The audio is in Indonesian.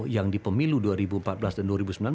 yang di pemilu dua ribu empat belas dan dua ribu sembilan belas